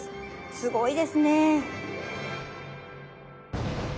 すごいですね！